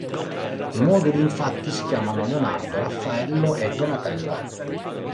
I moduli infatti si chiamano Leonardo, Raffaello e Donatello.